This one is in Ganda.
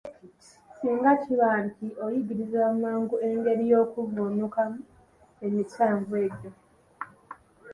Singa kiba nti oyigirizibwa mangu engeri y'okuvvuunukamu emisanvu egyo.